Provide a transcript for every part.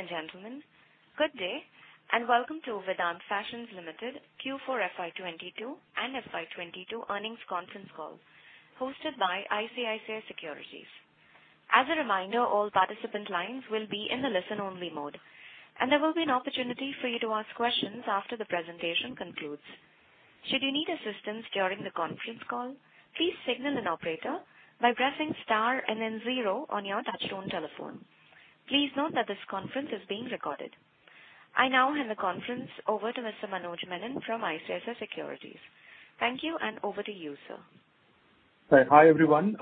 Ladies and gentlemen, good day, and welcome to Vedant Fashions Limited Q4 FY22 and FY22 earnings conference call hosted by ICICI Securities. As a reminder, all participant lines will be in the listen-only mode, and there will be an opportunity for you to ask questions after the presentation concludes. Should you need assistance during the conference call, please signal an operator by pressing star and then zero on your touchtone telephone. Please note that this conference is being recorded. I now hand the conference over to Mr. Manoj Menon from ICICI Securities. Thank you, and over to you, sir. Hi, everyone.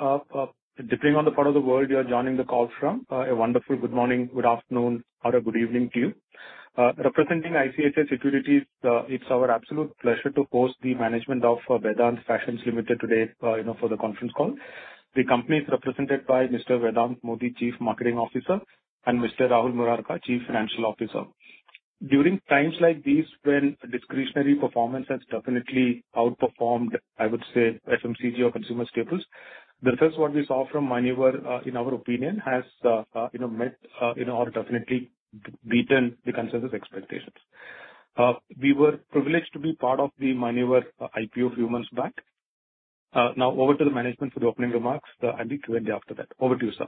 Depending on the part of the world you are joining the call from, a wonderful good morning, good afternoon, or good evening to you. Representing ICICI Securities, it's our absolute pleasure to host the management of Vedant Fashions Limited today, you know, for the conference call. The company is represented by Mr. Vedant Modi, Chief Marketing Officer, and Mr. Rahul Murarka, Chief Financial Officer. During times like these when discretionary performance has definitely outperformed, I would say, FMCG or consumer staples, the results what we saw from Manyavar, in our opinion, has, you know, met, you know, or definitely beaten the consensus expectations. We were privileged to be part of the Manyavar IPO a few months back. Now over to the management for the opening remarks and Q&A after that. Over to you, sir.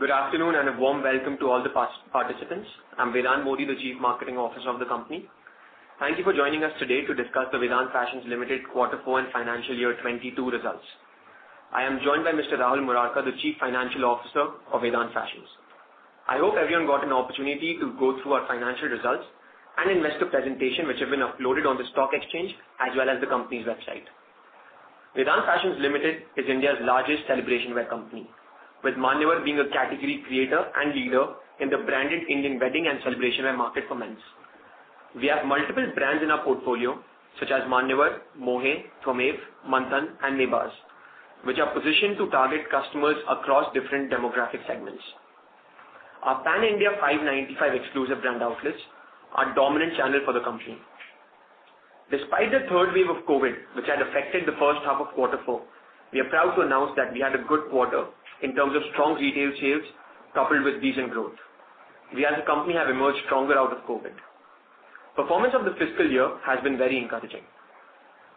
Good afternoon and a warm welcome to all the past-participants. I'm Vedant Modi, the Chief Marketing Officer of the company. Thank you for joining us today to discuss the Vedant Fashions Limited quarter four and financial year 2022 results. I am joined by Mr. Rahul Murarka, the Chief Financial Officer of Vedant Fashions. I hope everyone got an opportunity to go through our financial results and investor presentation, which have been uploaded on the stock exchange as well as the company's website. Vedant Fashions Limited is India's largest celebration wear company, with Manyavar being a category creator and leader in the branded Indian wedding and celebration wear market for men's. We have multiple brands in our portfolio, such as Manyavar, Mohey, Twamev, Manthan, and Mebaz, which are positioned to target customers across different demographic segments. Our pan-India 595 exclusive brand outlets are dominant channel for the company. Despite the third wave of COVID, which had affected the first half of quarter four, we are proud to announce that we had a good quarter in terms of strong retail sales coupled with decent growth. We as a company have emerged stronger out of COVID. Performance of the fiscal year has been very encouraging.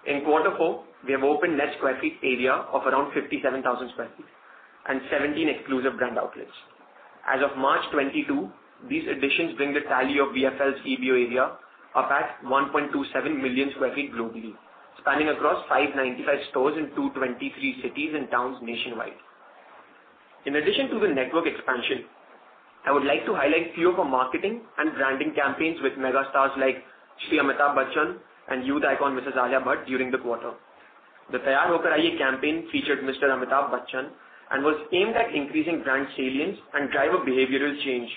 In quarter four, we have opened net square feet area of around 57,000 sq ft and 17 exclusive brand outlets. As of March 2022, these additions bring the tally of VFL's EBO area to 1.27 million sq ft globally, spanning across 595 stores in 223 cities and towns nationwide. In addition to the network expansion, I would like to highlight a few of our marketing and branding campaigns with mega stars like Shri Amitabh Bachchan and youth icon Mrs. Alia Bhatt during the quarter. The Taiyaar Hoke Aaiye campaign featured Shri Amitabh Bachchan and was aimed at increasing brand salience and drive a behavioral change.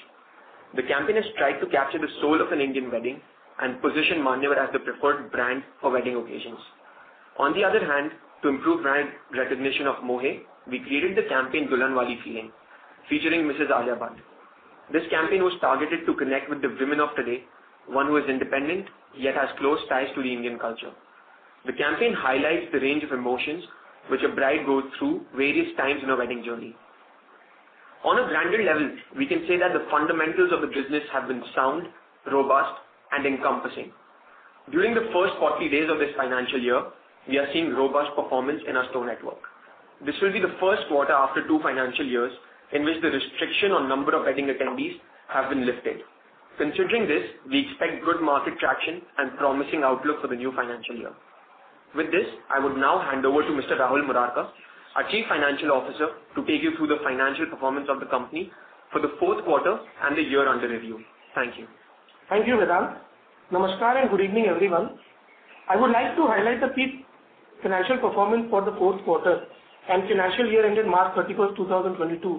The campaign has tried to capture the soul of an Indian wedding and position Manyavar as the preferred brand for wedding occasions. To improve brand recognition of Mohey, we created the campaign Dulhan Waali Feeling, featuring Mrs. Alia Bhatt. This campaign was targeted to connect with the women of today, one who is independent yet has close ties to the Indian culture. The campaign highlights the range of emotions which a bride goes through various times in her wedding journey. On a branded level, we can say that the fundamentals of the business have been sound, robust, and encompassing. During the first 40 days of this financial year, we are seeing robust performance in our store network. This will be the first quarter after two financial years in which the restriction on number of wedding attendees have been lifted. Considering this, we expect good market traction and promising outlook for the new financial year. With this, I would now hand over to Mr. Rahul Murarka, our Chief Financial Officer, to take you through the financial performance of the company for the fourth quarter and the year under review. Thank you. Thank you, Vedant. Namaskar and good evening, everyone. I would like to highlight the key financial performance for the fourth quarter and financial year ended March 31, 2022,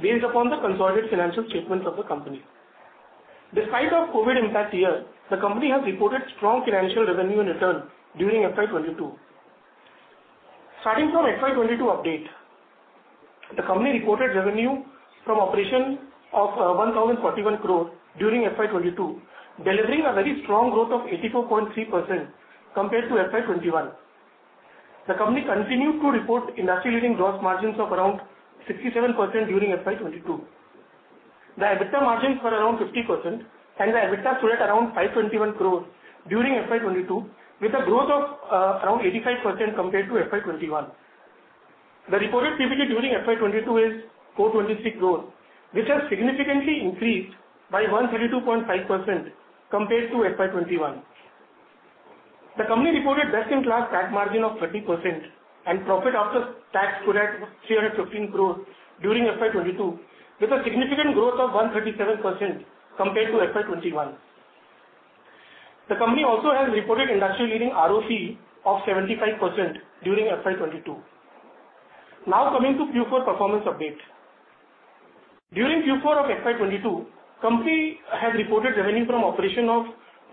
based upon the consolidated financial statements of the company. Despite our COVID impact year, the company has reported strong financial revenue and return during FY 2022. Starting from FY 2022 update, the company reported revenue from operations of 1,041 crore during FY 2022, delivering a very strong growth of 84.3% compared to FY 2021. The company continued to report industry-leading gross margins of around 67% during FY 2022. The EBITDA margins were around 50%, and the EBITDA stood at around 521 crore during FY 2022, with a growth of around 85% compared to FY 2021. The reported PBT during FY 2022 is 426 crores, which has significantly increased by 132.5% compared to FY 2021. The company reported best-in-class tax margin of 30% and profit after tax stood at 315 crores during FY 2022, with a significant growth of 137% compared to FY 2021. The company also has reported industry-leading ROCE of 75% during FY 2022. Now coming to Q4 performance update. During Q4 of FY 2022, company has reported revenue from operations of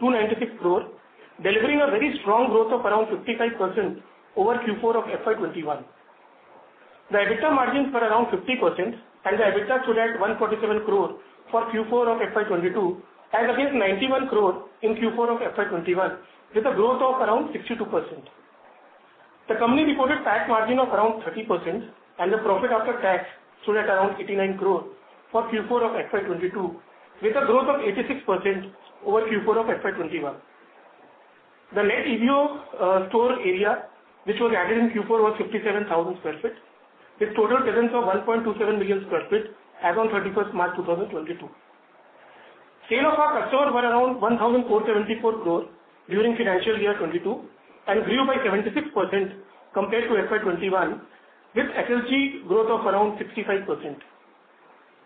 296 crore, delivering a very strong growth of around 55% over Q4 of FY 2021. The EBITDA margins were around 50%, and the EBITDA stood at 147 crore for Q4 of FY 2022 and against 91 crore in Q4 of FY 2021, with a growth of around 62%. The company reported tax margin of around 30% and the profit after tax stood at around 89 crores for Q4 of FY 2022, with a growth of 86% over Q4 of FY 2021. The net EBO store area which was added in Q4 was 57,000 sq ft, with total presence of 1.27 million sq ft as on March 31st, 2022. Sales of our company were around 1,474 crores during financial year 2022 and grew by 76% compared to FY 2021, with SSG growth of around 65%.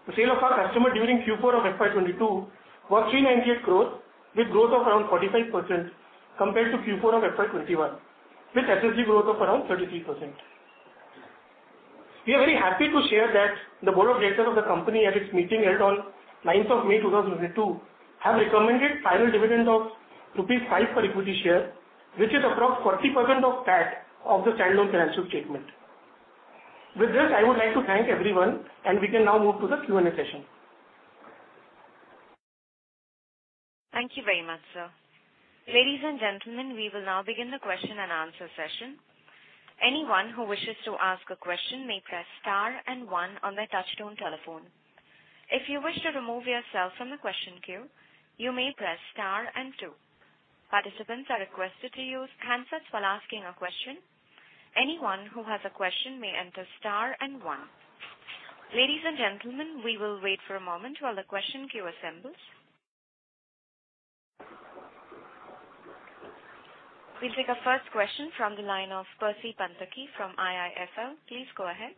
The sales of our company during Q4 of FY 2022 was INR 398 crores with growth of around 45% compared to Q4 of FY 2021, with SSG growth of around 33%. We are very happy to share that the board of directors of the company at its meeting held on May 9th, 2022 have recommended final dividend of 5 rupees per equity share, which is approx 40% of PAT of the standalone financial statement. With this, I would like to thank everyone and we can now move to the Q&A session. Thank you very much, sir. Ladies and gentlemen, we will now begin the question-and-answer session. Anyone who wishes to ask a question may press star and one on their touchtone telephone. If you wish to remove yourself from the question queue, you may press star and two. Participants are requested to use handsets while asking a question. Anyone who has a question may enter star and one. Ladies and gentlemen, we will wait for a moment while the question queue assembles. We take our first question from the line of Percy Panthaki from IIFL. Please go ahead.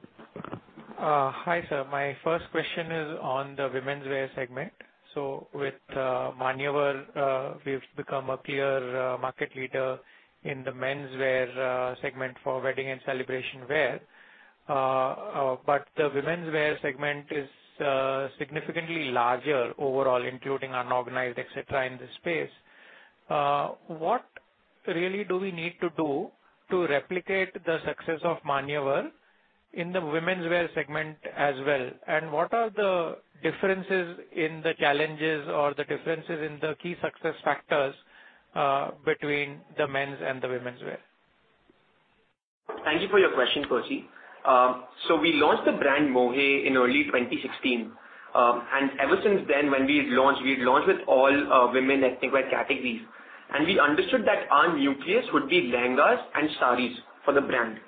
Hi, sir. My first question is on the womenswear segment. With Manyavar, we've become a clear market leader in the menswear segment for wedding and celebration wear. The womenswear segment is significantly larger overall, including unorganized, et cetera, in the space. What really do we need to do to replicate the success of Manyavar in the womenswear segment as well? What are the differences in the challenges or the differences in the key success factors between the men's and the womenswear? Thank you for your question, Percy. We launched the brand Mohey in early 2016. Ever since then when we launched, we had launched with all women ethnic wear categories. We understood that our nucleus would be lehengas and sarees for the brand.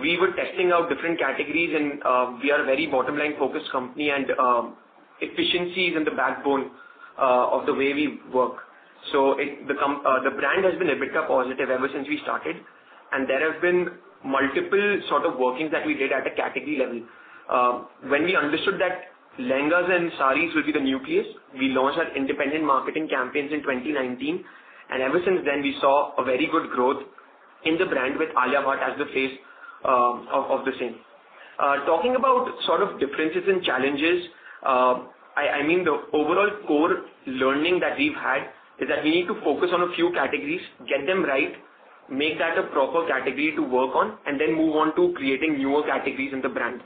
We were testing out different categories and we are a very bottom-line focused company and efficiency is in the backbone of the way we work. The brand has been EBITDA positive ever since we started, and there have been multiple sort of workings that we did at a category level. When we understood that lehengas and sarees will be the nucleus, we launched our independent marketing campaigns in 2019, and ever since then, we saw a very good growth in the brand with Alia Bhatt as the face of the same. Talking about differences in challenges, I mean, the overall core learning that we've had is that we need to focus on a few categories, get them right, make that a proper category to work on, and then move on to creating newer categories in the brand.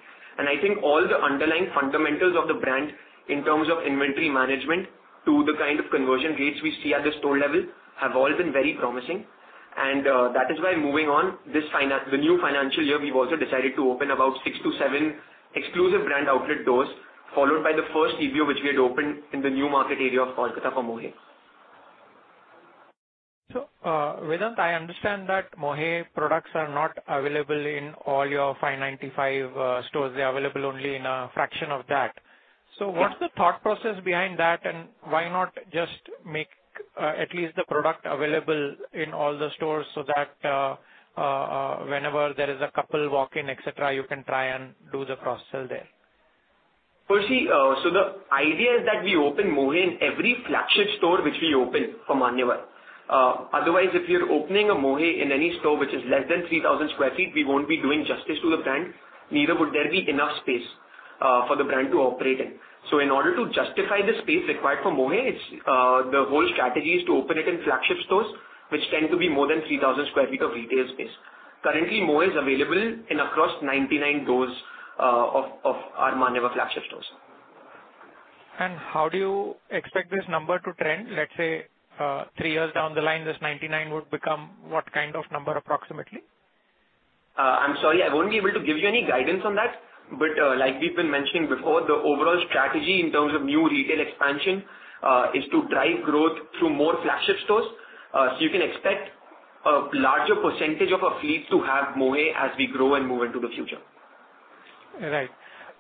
I think all the underlying fundamentals of the brand in terms of inventory management to the kind of conversion rates we see at the store level have all been very promising. That is why moving on the new financial year, we've also decided to open about six to seven exclusive brand outlet doors, followed by the first EBO which we had opened in the new market area of Kolkata for Mohey. Vedant, I understand that Mohey products are not available in all your 595 stores. They're available only in a fraction of that. Yeah. What's the thought process behind that and why not just make at least the product available in all the stores so that whenever there is a couple walk in, et cetera, you can try and do the cross-sell there? Percy, the idea is that we open Mohey in every flagship store which we open for Manyavar. Otherwise if you're opening a Mohey in any store which is less than 3,000 sq ft, we won't be doing justice to the brand, neither would there be enough space for the brand to operate in. In order to justify the space required for Mohey, it's the whole strategy is to open it in flagship stores, which tend to be more than 3,000 sq ft of retail space. Currently, Mohey is available across 99 doors of our Manyavar flagship stores. How do you expect this number to trend? Let's say, three years down the line, this 99 would become what kind of number approximately? I'm sorry, I won't be able to give you any guidance on that. Like we've been mentioning before, the overall strategy in terms of new retail expansion is to drive growth through more flagship stores. You can expect a larger percentage of our fleet to have Mohey as we grow and move into the future. Right.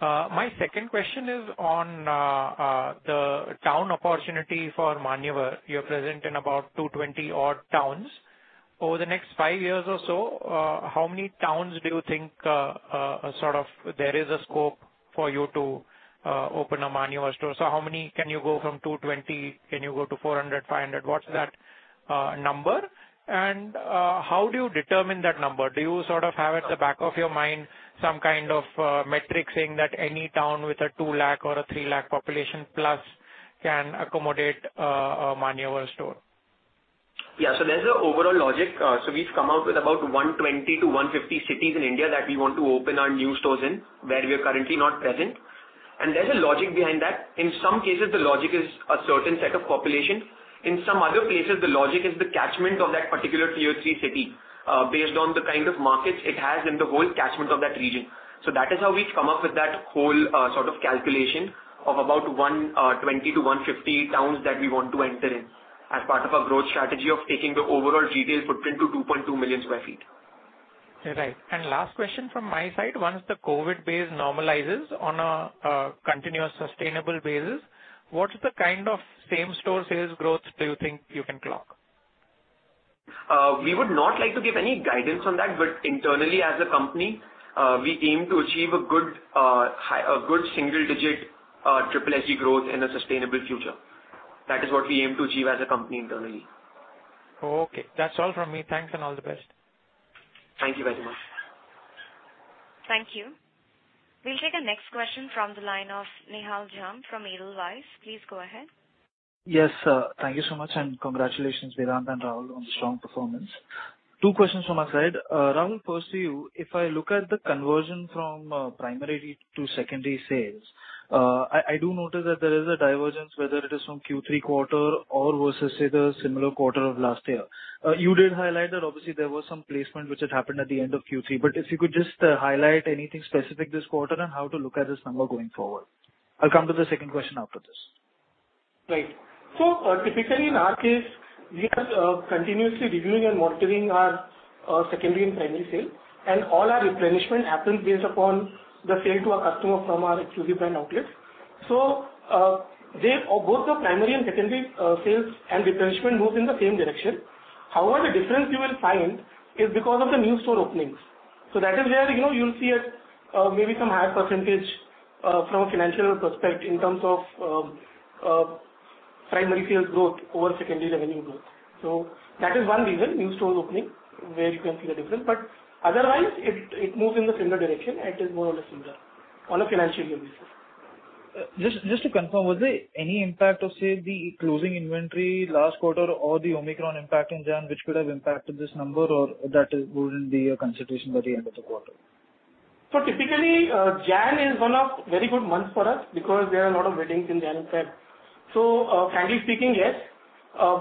My second question is on the town opportunity for Manyavar. You're present in about 220 odd towns. Over the next five years or so, how many towns do you think there is a scope for you to open a Manyavar store? How many can you go from 220, can you go to 400, 500? What's that number? And how do you determine that number? Do you sort of have at the back of your mind some kind of metric saying that any town with a 2 lakh or a 3 lakh population plus can accommodate a Manyavar store? Yeah. There's an overall logic. We've come out with about 120-150 cities in India that we want to open our new stores in where we are currently not present. There's a logic behind that. In some cases, the logic is a certain set of population. In some other cases, the logic is the catchment of that particular Tier 3 city, based on the kind of markets it has in the whole catchment of that region. That is how we've come up with that whole, sort of calculation of about 120-150 towns that we want to enter in as part of our growth strategy of taking the overall retail footprint to 2.2 million sq ft. Right. Last question from my side. Once the COVID base normalizes on a continuous sustainable basis, what is the kind of same-store sales growth do you think you can clock? We would not like to give any guidance on that, but internally as a company, we aim to achieve a good single digit, triple SSG growth in a sustainable future. That is what we aim to achieve as a company internally. Okay. That's all from me. Thanks and all the best. Thank you very much. Thank you. We'll take the next question from the line of Nihal Jham from Edelweiss. Please go ahead. Yes, thank you so much, and congratulations, Vedant and Rahul, on the strong performance. Two questions from my side. Rahul, first to you. If I look at the conversion from primary to secondary sales, I do notice that there is a divergence, whether it is from Q3 quarter or versus, say, the similar quarter of last year. You did highlight that obviously there was some placement which had happened at the end of Q3, but if you could just highlight anything specific this quarter and how to look at this number going forward. I'll come to the second question after this. Right. Typically in our case, we are continuously reviewing and monitoring our secondary and primary sale, and all our replenishment happens based upon the sale to our customer from our exclusive brand outlets. Both the primary and secondary sales and replenishment moves in the same direction. However, the difference you will find is because of the new store openings. That is where, you know, you'll see a maybe some higher percentage from a financial perspective in terms of primary sales growth over secondary revenue growth. That is one reason, new store opening, where you can see the difference. Otherwise it moves in the similar direction. It is more or less similar on a financial year basis. Just to confirm, was there any impact of, say, the closing inventory last quarter or the Omicron impact in January, which could have impacted this number or that wouldn't be a consideration by the end of the quarter? Typically, January is one of very good months for us because there are a lot of weddings in January and February. Frankly speaking, yes,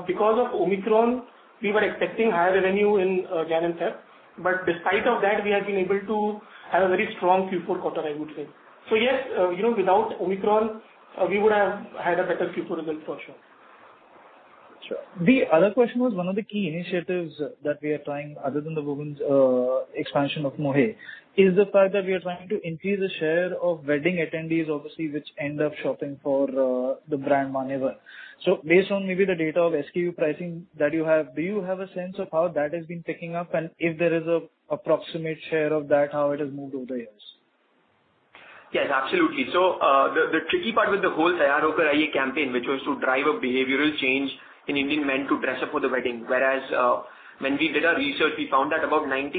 because of Omicron, we were expecting higher revenue in January and February. Despite of that, we have been able to have a very strong Q4 quarter, I would say. Yes, you know, without Omicron, we would have had a better Q4 result for sure. Sure. The other question was one of the key initiatives that we are trying other than the women's expansion of Mohey, is the fact that we are trying to increase the share of wedding attendees, obviously, which end up shopping for the brand Manyavar. Based on maybe the data of SKU pricing that you have, do you have a sense of how that has been picking up? And if there is a approximate share of that, how it has moved over the years? Yes, absolutely. The tricky part with the whole Taiyaar Hoke Aaiye campaign, which was to drive a behavioral change in Indian men to dress up for the wedding, whereas, when we did our research, we found that about 95%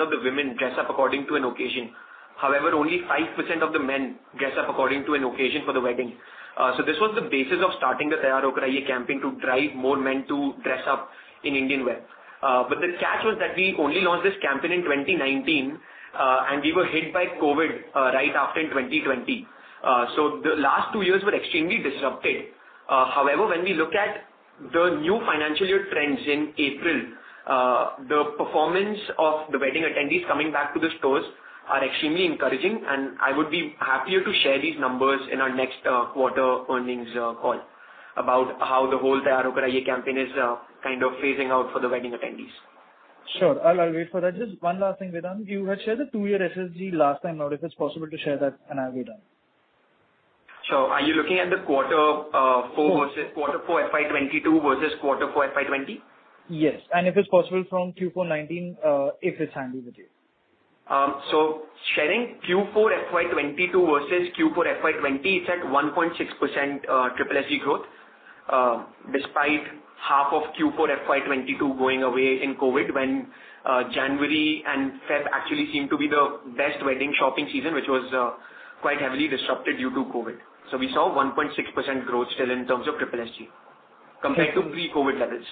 of the women dress up according to an occasion. However, only 5% of the men dress up according to an occasion for the wedding. This was the basis of starting the Taiyaar Hoke Aaiye campaign to drive more men to dress up in Indian wear. The catch was that we only launched this campaign in 2019, and we were hit by COVID right after in 2020. The last two years were extremely disrupted. However, when we look at the new financial year trends in April, the performance of the wedding attendees coming back to the stores are extremely encouraging, and I would be happier to share these numbers in our next quarter earnings call about how the whole Taiyaar Hoke Aaiye campaign is kind of phasing out for the wedding attendees. Sure. I'll wait for that. Just one last thing, Vedant. You had shared the two-year SSG last time, or if it's possible to share that and I'll be done. Are you looking at the quarter four versus? Yes. Quarter four FY 2022 versus quarter four FY 2020? Yes. If it's possible from Q4 2019, if it's handy with you. Sharing Q4 FY 2022 versus Q4 FY 2020, it's at 1.6% SSG growth, despite half of Q4 FY 2022 going away in COVID when January and February actually seemed to be the best wedding shopping season, which was quite heavily disrupted due to COVID. We saw 1.6% growth still in terms of SSG compared to pre-COVID levels.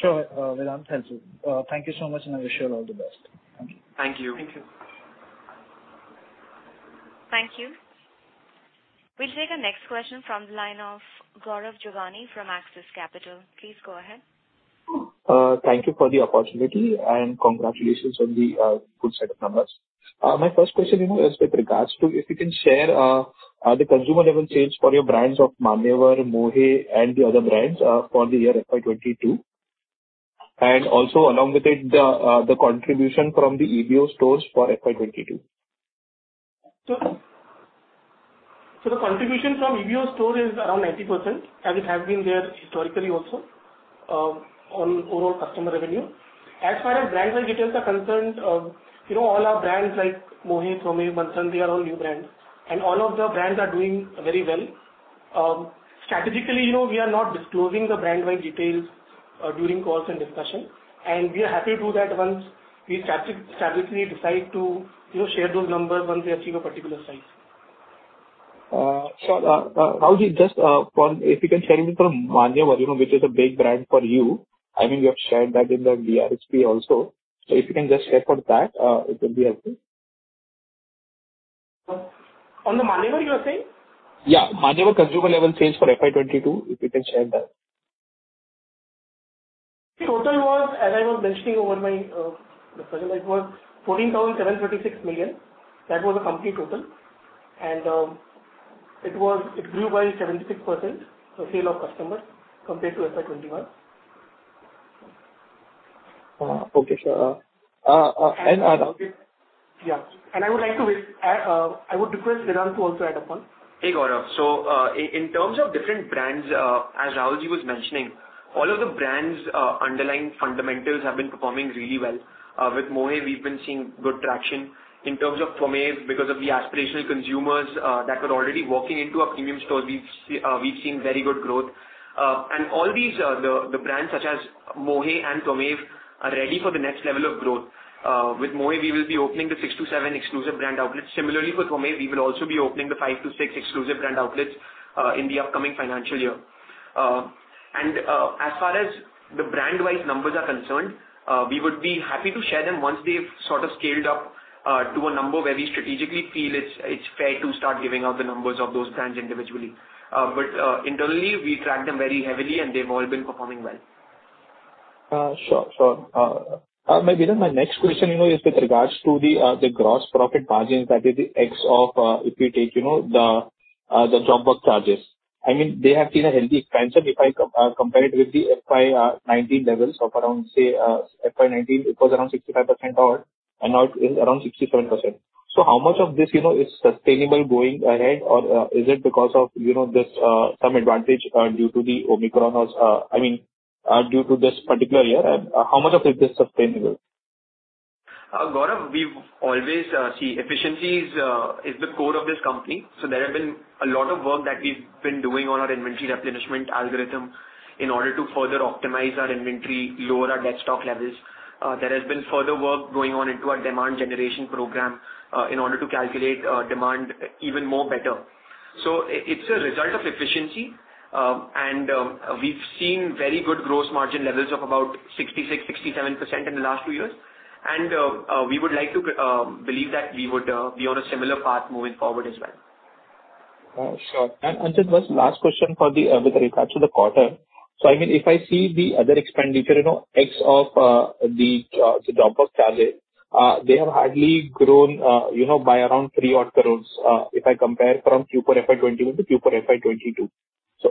Sure. Vedant, thank you. Thank you so much, and I wish you all the best. Thank you. Thank you. Thank you. Thank you. We'll take the next question from the line of Gaurav Jogani from Axis Capital. Please go ahead. Thank you for the opportunity and congratulations on the good set of numbers. My first question, you know, is with regards to if you can share the consumer level change for your brands of Manyavar, Mohey and the other brands for the year FY 2022. Also along with it, the contribution from the EBO stores for FY 2022. Sure. The contribution from EBO store is around 90%, as it has been there historically also, on overall customer revenue. As far as brand-wide details are concerned, you know, all our brands like Mohey, Twamev, Manthan, they are all new brands, and all of the brands are doing very well. Strategically, you know, we are not disclosing the brand-wide details, during calls and discussion, and we are happy to do that once we strategically decide to, you know, share those numbers once we achieve a particular size. Sure. Rahul, just if you can share with me from Manyavar, you know, which is a big brand for you. I mean, you have shared that in the DRHP also. If you can just share for that, it will be helpful. On the Manyavar, you are saying? Yeah. Manyavar consumer level sales for FY 2022, if you can share that? Total was, as I was mentioning in my presentation, it was 14,736 million. That was the company total. It grew by 76%, the sales to customers compared to FY 2021. Okay, sure. Yeah. I would request Vedant to also add upon. Hey, Gaurav. In terms of different brands, as Rahulji was mentioning, all of the brands' underlying fundamentals have been performing really well. With Mohey, we've been seeing good traction. In terms of Twamev, because of the aspirational consumers that are already walking into our premium stores, we've seen very good growth. All these brands such as Mohey and Twamev are ready for the next level of growth. With Mohey, we will be opening six to seven exclusive brand outlets. Similarly, for Twamev, we will also be opening five to six exclusive brand outlets in the upcoming financial year. As far as the brand-wise numbers are concerned, we would be happy to share them once they've sort of scaled up to a number where we strategically feel it's fair to start giving out the numbers of those brands individually. Internally, we track them very heavily, and they've all been performing well. Sure. Maybe then my next question, you know, is with regards to the gross profit margins that is ex of, if you take, you know, the job work charges. I mean, they have seen a healthy expansion if I compare it with the FY 2019 levels of around, say, FY 2019, it was around 65% odd, and now it is around 67%. How much of this, you know, is sustainable going ahead? Or, is it because of, you know, this, some advantage, due to the Omicron or, I mean, due to this particular year? And how much of it is sustainable? Gaurav, we've always seen efficiencies is the core of this company, so there have been a lot of work that we've been doing on our inventory replenishment algorithm in order to further optimize our inventory, lower our dead stock levels. There has been further work going on into our demand generation program in order to calculate demand even more better. It's a result of efficiency, and we've seen very good gross margin levels of about 66%-67% in the last two years. We would like to believe that we would be on a similar path moving forward as well. Sure. Just last question with regards to the quarter. I mean, if I see the other expenditure, you know, except the job work charges, they have hardly grown, you know, by around 3 crore, if I compare from Q4 FY 2021 to Q4 FY 2022.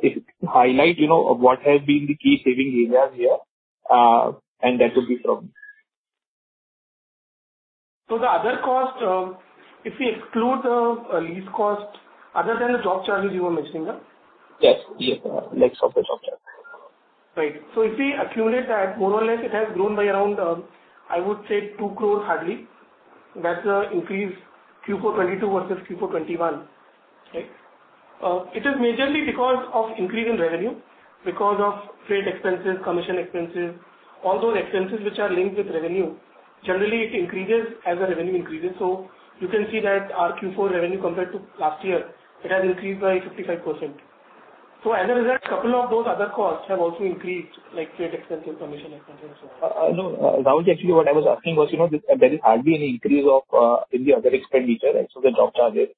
If you could highlight, you know, what has been the key saving areas here, and that would be from. The other cost, if we exclude the lease cost, other than the job charges you were mentioning? Yes. Next of the job charge. Right. If we accumulate that, more or less it has grown by around, I would say 2 crore hardly. That's the increase Q4 2022 versus Q4 2021. Right? It is majorly because of increase in revenue, because of freight expenses, commission expenses, all those expenses which are linked with revenue. Generally, it increases as the revenue increases. You can see that our Q4 revenue compared to last year, it has increased by 55%. As a result, couple of those other costs have also increased, like freight expenses, commission expenses and so on. No. Rahulji, actually, what I was asking was, you know, there is hardly any increase in the other expenditure and so the job charges.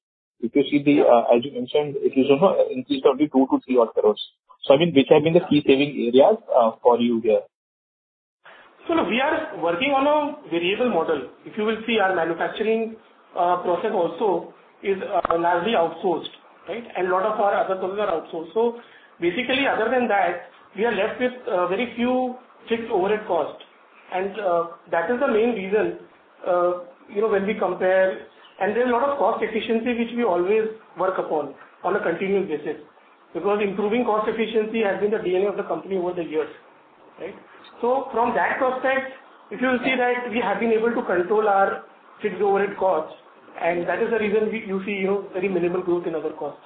If you see the A&P, as you mentioned, it is also an increase of only 2 crore-3 crore. I mean, which have been the key saving areas for you here? We are working on a variable model. If you will see our manufacturing process also is largely outsourced, right? A lot of our other processes are outsourced. Basically other than that, we are left with very few fixed overhead costs. That is the main reason, you know, when we compare. There's a lot of cost efficiency which we always work upon on a continuous basis. Because improving cost efficiency has been the DNA of the company over the years, right? From that prospect, if you'll see that we have been able to control our fixed overhead costs, and that is the reason you see, you know, very minimal growth in other costs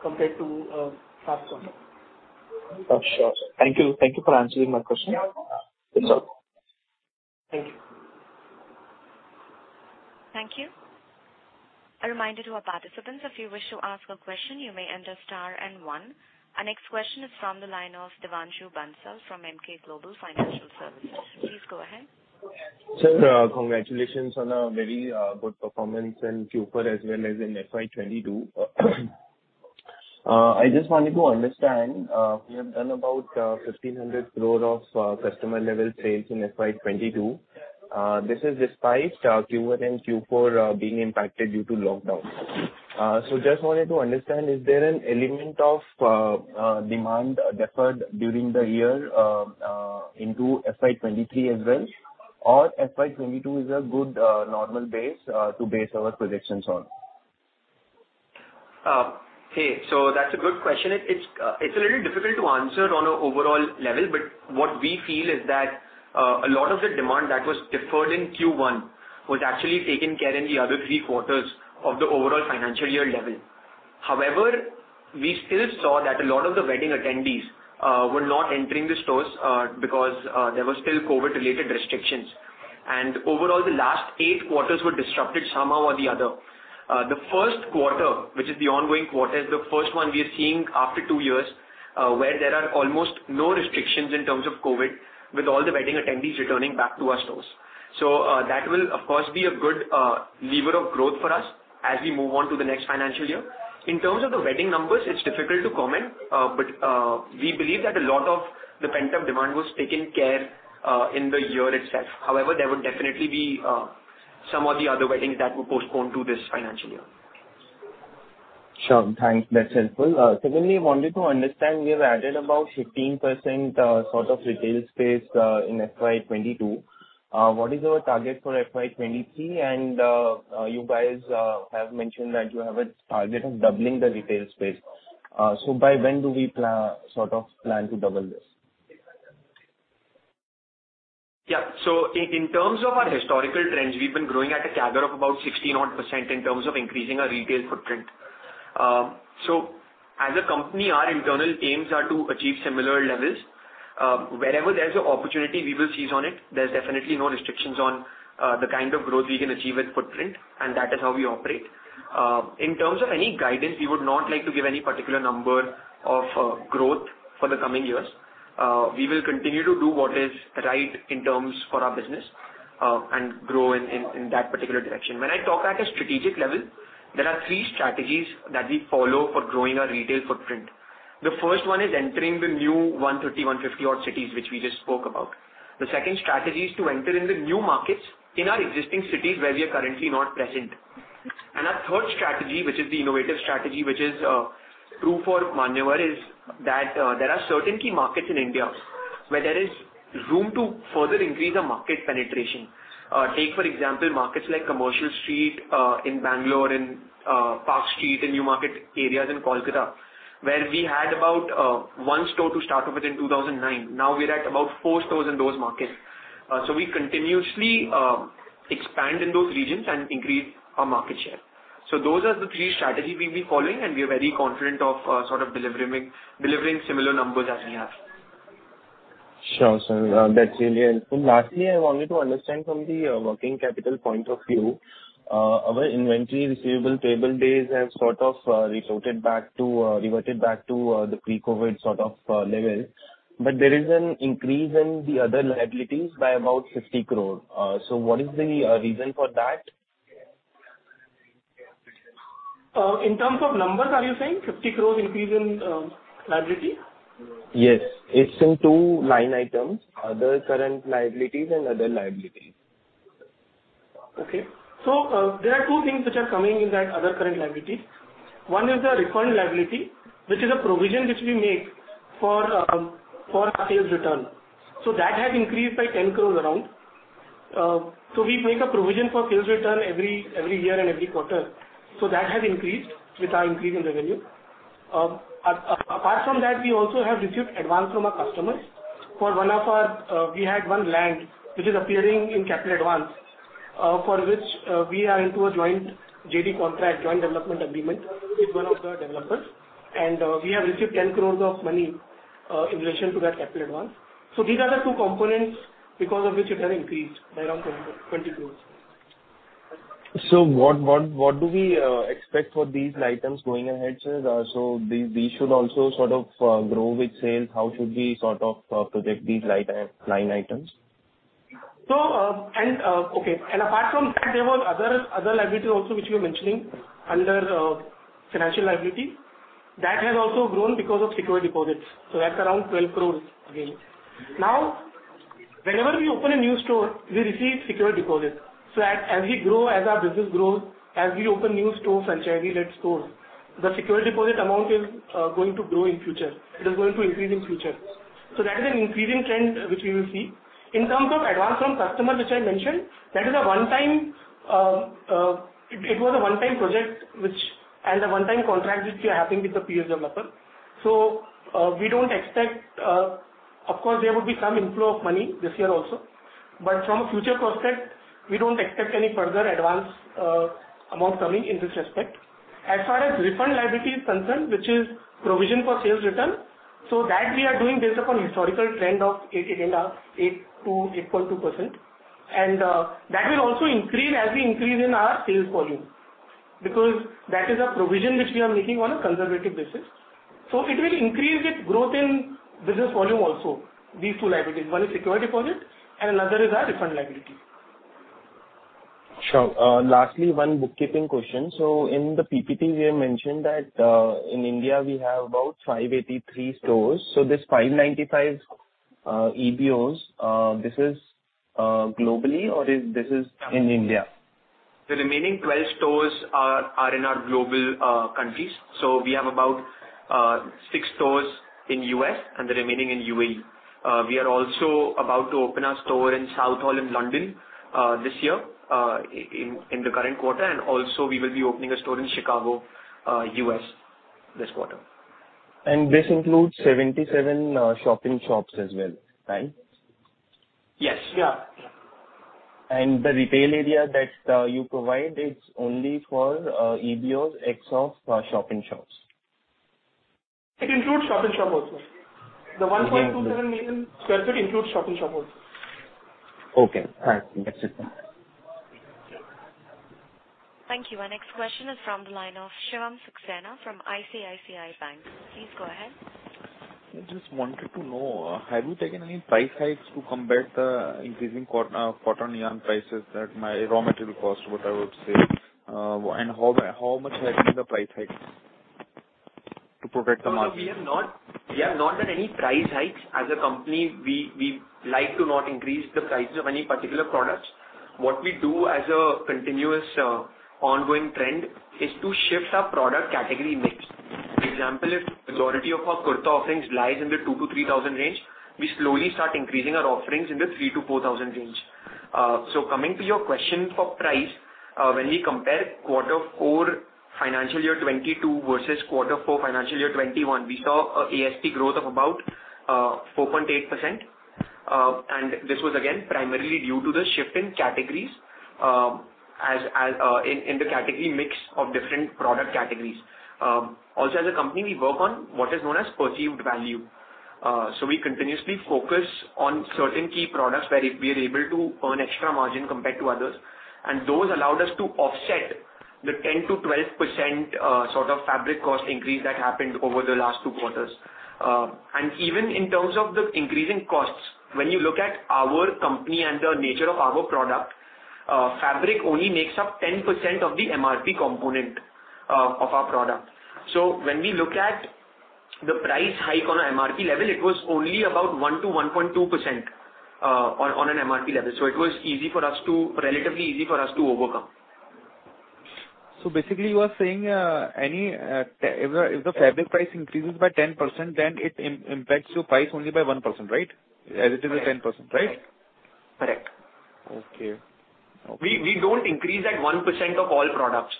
compared to past performance. Sure. Thank you. Thank you for answering my question. That's all. Thank you. Thank you. A reminder to our participants, if you wish to ask a question, you may enter star and one. Our next question is from the line of Devanshu Bansal from Emkay Global Financial Services. Please go ahead. Sir, congratulations on a very good performance in Q4 as well as in FY 2022. I just wanted to understand, you have done about 1,500 crore of customer level sales in FY 2022. This is despite Q1 and Q4 being impacted due to lockdown. Just wanted to understand, is there an element of demand deferred during the year into FY 2023 as well? Or FY 2022 is a good normal base to base our predictions on? Okay. That's a good question. It's a little difficult to answer on an overall level, but what we feel is that a lot of the demand that was deferred in Q1 was actually taken care in the other three quarters of the overall financial year level. However, we still saw that a lot of the wedding attendees were not entering the stores because there were still COVID-related restrictions. Overall the last eight quarters were disrupted somehow or the other. The first quarter, which is the ongoing quarter, is the first one we are seeing after two years, where there are almost no restrictions in terms of COVID, with all the wedding attendees returning back to our stores. That will of course be a good lever of growth for us as we move on to the next financial year. In terms of the wedding numbers, it's difficult to comment, but we believe that a lot of the pent-up demand was taken care in the year itself. However, there would definitely be some of the other weddings that were postponed to this financial year. Sure. Thanks. That's helpful. Secondly, wanted to understand, we have added about 15% sort of retail space in FY 2022. What is our target for FY 2023? You guys have mentioned that you have a target of doubling the retail space. So by when do we sort of plan to double this? Yeah. In terms of our historical trends, we've been growing at a CAGR of about 16% in terms of increasing our retail footprint. As a company, our internal aims are to achieve similar levels. Wherever there's an opportunity, we will seize on it. There's definitely no restrictions on the kind of growth we can achieve with footprint, and that is how we operate. In terms of any guidance, we would not like to give any particular number on growth for the coming years. We will continue to do what is right in terms of our business, and grow in that particular direction. When I talk at a strategic level, there are three strategies that we follow for growing our retail footprint. The first one is entering the new 130-150 odd cities, which we just spoke about. The second strategy is to enter in the new markets in our existing cities where we are currently not present. Our third strategy, which is the innovative strategy, which is true for Manyavar, is that there are certain key markets in India where there is room to further increase our market penetration. Take for example, markets like Commercial Street in Bangalore and Park Street and New Market areas in Kolkata, where we had about one store to start with in 2009. Now we're at about four stores in those markets. We continuously expand in those regions and increase our market share. Those are the three strategies we'll be following, and we are very confident of sort of delivering similar numbers as we have. Sure, sir. That's really helpful. Lastly, I wanted to understand from the working capital point of view, our inventory, receivables, payables days have sort of reverted back to the pre-COVID sort of level. There is an increase in the other liabilities by about 50 crore. What is the reason for that? In terms of numbers, are you saying 50 crores increase in liability? Yes. It's in two line items, other current liabilities and other liabilities. Okay. There are two things which are coming in that other current liabilities. One is the refund liability, which is a provision which we make for our sales return. That has increased by around 10 crores. We make a provision for sales return every year and every quarter. That has increased with our increase in revenue. Apart from that, we also have received advance from our customers. For one of our, we had one land which is appearing in capital advance, for which we are into a joint development agreement with one of the developers. We have received 10 crores of money in relation to that capital advance. These are the two components because of which it has increased by around 20 crores. What do we expect for these items going ahead, sir? These should also sort of grow with sales. How should we sort of project these line items? Apart from that, there were other liability also which you're mentioning under financial liability. That has also grown because of security deposits, that's around 12 crore again. Now, whenever we open a new store, we receive security deposit. As we grow, as our business grows, as we open new stores, franchisee-led stores, the security deposit amount is going to grow in future. It is going to increase in future. That is an increasing trend which we will see. In terms of advance from customer, which I mentioned, that is a one-time. It was a one-time project which a one-time contract which we are having with the PE developer. We don't expect. Of course, there would be some inflow of money this year also. From a future prospect, we don't expect any further advance amount coming in this respect. As far as refund liability is concerned, which is provision for sales return, that we are doing based upon historical trend of 8%-8.2%. That will also increase as we increase in our sales volume, because that is a provision which we are making on a conservative basis. It will increase with growth in business volume also. These two liabilities, one is security deposit and another is our refund liability. Sure. Lastly, one bookkeeping question. In the PPT, we have mentioned that in India we have about 583 stores. This 595 EBOs, this is globally, or is this in India? The remaining 12 stores are in our global countries. We have about six stores in U.S. and the remaining in UAE. We are also about to open our store in Southall in London this year in the current quarter. Also we will be opening a store in Chicago, U.S. this quarter. This includes 77 shop-in-shops as well, right? Yes. Yeah. The retail area that you provide, it's only for EBOs except for shop-in-shops? It includes shop-in-shop also. The 1.27 million sq ft includes shop-in-shop also. Okay. All right. That's it then. Thank you. Our next question is from the line of Shivam Saxena from ICICI Bank. Please go ahead. I just wanted to know, have you taken any price hikes to combat the increasing cotton yarn prices that make up raw material cost, what I would say? And how much has been the price hikes to protect the margin? No, no, we have not. We have not done any price hikes. As a company, we like to not increase the prices of any particular products. What we do as a continuous ongoing trend is to shift our product category mix. For example, if majority of our kurta offerings lies in the 2,000-3,000 range, we slowly start increasing our offerings in the 3,000-4,000 range. So coming to your question for price, when we compare quarter four financial year 2022 versus quarter four financial year 2021, we saw an ASP growth of about 4.8%. And this was again, primarily due to the shift in categories, as in the category mix of different product categories. Also as a company, we work on what is known as perceived value. We continuously focus on certain key products where we are able to earn extra margin compared to others, and those allowed us to offset the 10%-12% sort of fabric cost increase that happened over the last two quarters. Even in terms of the increase in costs, when you look at our company and the nature of our product, fabric only makes up 10% of the MRP component of our product. When we look at the price hike on a MRP level, it was only about 1%-1.2% on an MRP level. It was relatively easy for us to overcome. Basically you are saying, if the fabric price increases by 10%, then it impacts your price only by 1%, right? As it is a 10%, right? Correct. Okay. Okay. We don't increase that 1% of all products.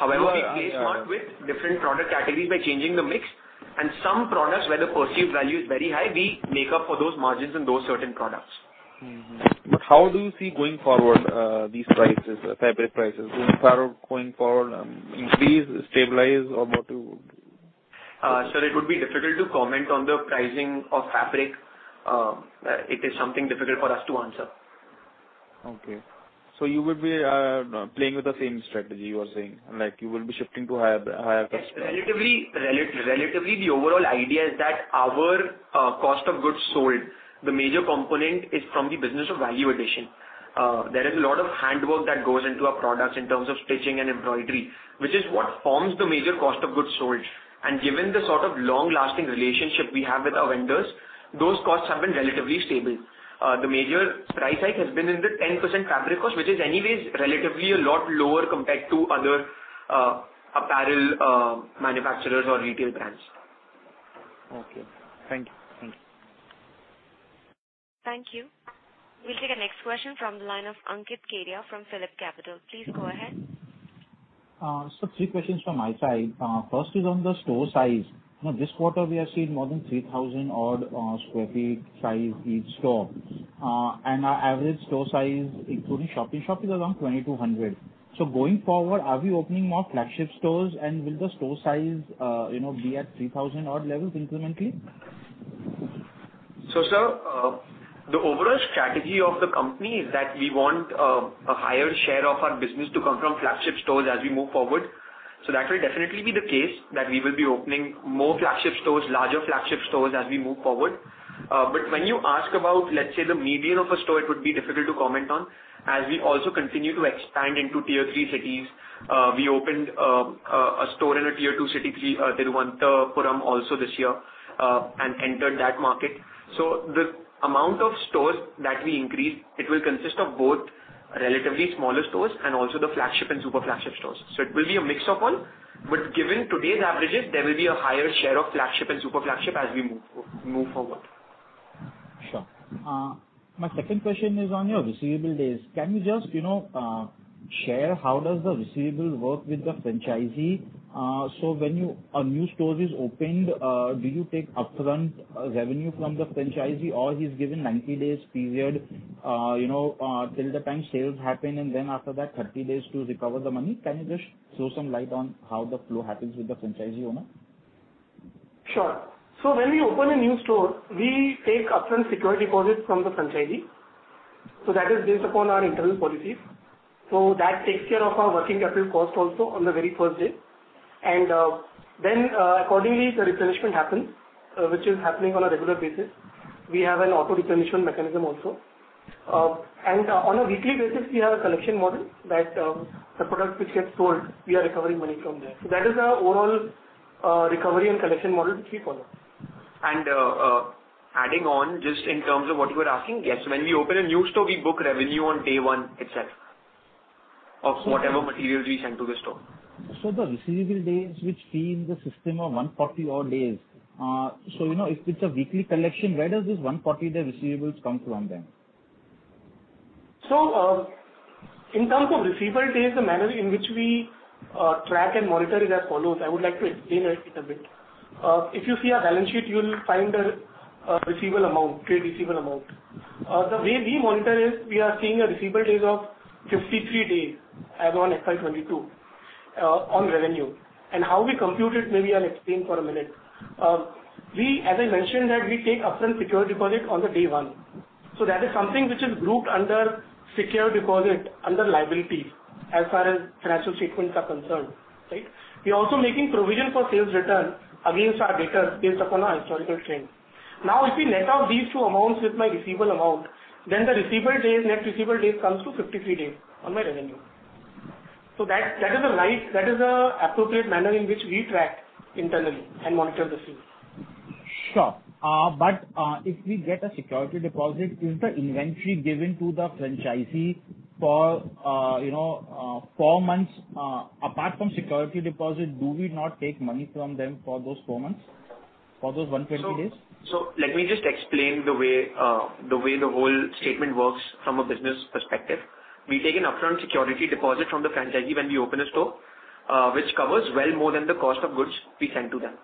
Yeah, yeah. However, we play smart with different product categories by changing the mix and some products where the perceived value is very high, we make up for those margins in those certain products. Mm-hmm. How do you see going forward, these prices, fabric prices? Will they start going forward, increase, stabilize, or what you would Sir, it would be difficult to comment on the pricing of fabric. It is something difficult for us to answer. Okay. You would be playing with the same strategy you are saying, like you will be shifting to higher. Yes. Relatively, the overall idea is that our cost of goods sold, the major component is from the business of value addition. There is a lot of handwork that goes into our products in terms of stitching and embroidery, which is what forms the major cost of goods sold. Given the sort of long-lasting relationship we have with our vendors, those costs have been relatively stable. The major price hike has been in the 10% fabric cost, which is anyways relatively a lot lower compared to other apparel manufacturers or retail brands. Okay. Thank you. Thank you. Thank you. We'll take our next question from the line of Ankit Kedia from Phillip Capital. Please go ahead. Three questions from my side. First is on the store size. This quarter we have seen more than 3,000-odd sq ft size each store. Our average store size, including shop-in-shop, is around 2,200. Going forward, are we opening more flagship stores and will the store size be at 3,000-odd levels incrementally? Sir, the overall strategy of the company is that we want a higher share of our business to come from flagship stores as we move forward. That will definitely be the case that we will be opening more flagship stores, larger flagship stores as we move forward. But when you ask about, let's say, the median of a store, it would be difficult to comment on, as we also continue to expand into Tier three cities. We opened a store in a Tier 2 city, Thiruvananthapuram also this year, and entered that market. The amount of stores that we increase, it will consist of both relatively smaller stores and also the flagship and super flagship stores. It will be a mix of all, but given today's averages, there will be a higher share of flagship and super flagship as we move forward. Sure. My second question is on your receivable days. Can you just, you know, share how does the receivable work with the franchisee? So when a new store is opened, do you take upfront, revenue from the franchisee or he's given 90 days period, you know, till the time sales happen and then after that 30 days to recover the money? Can you just throw some light on how the flow happens with the franchisee owner? Sure. When we open a new store, we take upfront security deposits from the franchisee. That is based upon our internal policies. That takes care of our working capital cost also on the very first day. Then, accordingly, the replenishment happens, which is happening on a regular basis. We have an auto-replenishment mechanism also. On a weekly basis, we have a collection model that the product which gets sold, we are recovering money from there. That is our overall recovery and collection model, which we follow. Adding on just in terms of what you were asking, yes, when we open a new store, we book revenue on day one itself of whatever materials we send to the store. The receivable days which seem to be something of 140-odd days, you know, if it's a weekly collection, where does this 140-day receivables come from then? In terms of receivable days, the manner in which we track and monitor it as follows. I would like to explain it a bit. If you see our balance sheet, you'll find a receivable amount, trade receivable amount. The way we monitor is we are seeing a receivable days of 53 days as on FY 2022, on revenue. How we compute it, maybe I'll explain for a minute. We, as I mentioned that we take upfront security deposit on the day one. That is something which is grouped under security deposit under liability as far as financial statements are concerned, right? We're also making provision for sales return against our debtors based upon our historical trend. Now, if we net out these two amounts with my receivable amount, then the receivable days, net receivable days comes to 53 days on my revenue. That is the right, that is an appropriate manner in which we track internally and monitor the sales. Sure. If we get a security deposit, is the inventory given to the franchisee for, you know, four months, apart from security deposit, do we not take money from them for those four months? For those 120 days? Let me just explain the way the whole statement works from a business perspective. We take an upfront security deposit from the franchisee when we open a store, which covers well more than the cost of goods we send to them.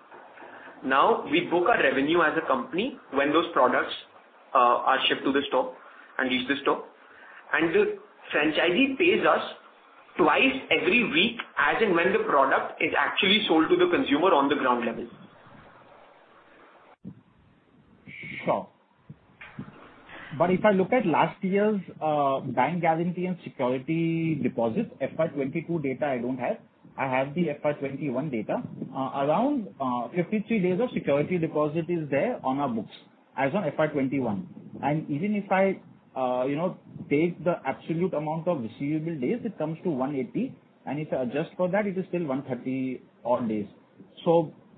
Now, we book our revenue as a company when those products are shipped to the store and reach the store. The franchisee pays us twice every week as and when the product is actually sold to the consumer on the ground level. Sure. If I look at last year's bank guarantee and security deposit, FY 2022 data I don't have. I have the FY 2021 data. Around 53 days of security deposit is there on our books as on FY 2021. Even if I take the absolute amount of receivable days, it comes to 180, and if I adjust for that, it is still 130 odd days.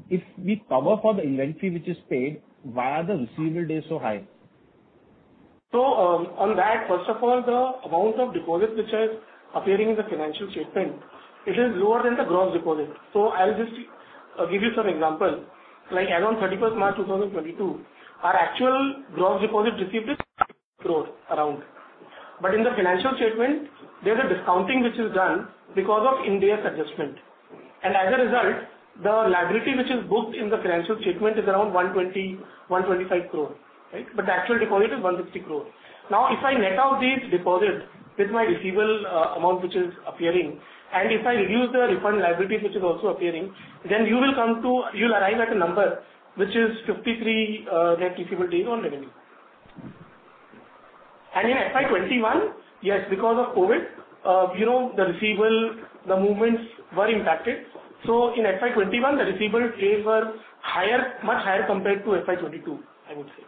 If we cover for the inventory which is paid, why are the receivable days so high? On that, first of all, the amount of deposit which is appearing in the financial statement, it is lower than the gross deposit. I'll just give you some example. Like, as on 31st March 2022, our actual gross deposit received is around INR 150 crore. in the financial statement there's a discounting which is done because of Ind AS adjustment. as a result, the liability which is booked in the financial statement is around 120-125 crore, right? the actual deposit is 150 crore. Now, if I net out these deposits with my receivable amount which is appearing, and if I reduce the refund liabilities which is also appearing, then you will come to. You'll arrive at a number which is 53 net receivable days on revenue. In FY 2021, yes, because of COVID, you know, the receivable, the movements were impacted. In FY 2021, the receivable days were higher, much higher compared to FY 2022, I would say.